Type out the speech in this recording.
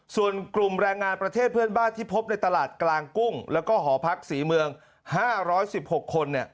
ส่วนกลุ่มแรงงานประเทศเพื่อนบ้านที่พบในตลาดกลางกุ้งแล้วก็หอพักศรีเมือง๕๑๖คน